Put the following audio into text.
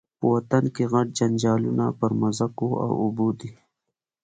په وطن کي غټ جنجالونه پر مځکو او اوبو دي